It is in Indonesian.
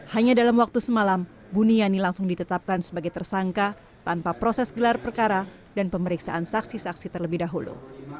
hanya dalam waktu semalam buniani langsung ditetapkan sebagai tersangka tanpa proses gelar perkara dan pemeriksaan saksi saksi terlebih dahulu